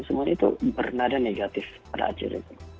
semua itu bernada negatif pada act